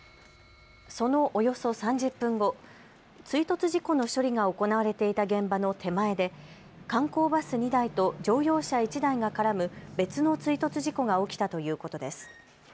そのおよそ３０分後、追突事故の処理が行われていた現場の手前で観光バス２台と乗用車１台が絡む別の追突事故が起きたということです。